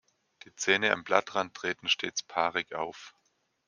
Die Zähne am Blattrand treten stets paarig auf.